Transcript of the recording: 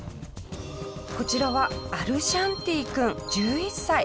こちらはアルシャンティー君１１歳。